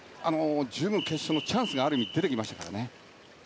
十分決勝のチャンスが出てきましたからね。